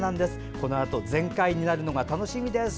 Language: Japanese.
このあと全開になるのが楽しみです。